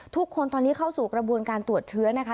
ทุกคนตอนนี้เข้าสู่กระบวนการตรวจเชื้อนะคะ